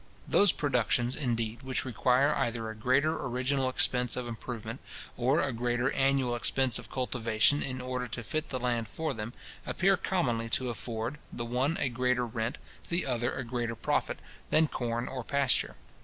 Those productions, indeed, which require either a greater original expense of improvement, or a greater annual expense of cultivation in order to fit the land for them, appear commonly to afford, the one a greater rent, the other a greater profit, than corn or pasture.